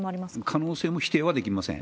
可能性も否定はできません。